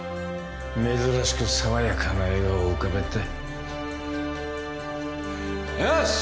珍しくさわやかな笑顔浮かべてよし！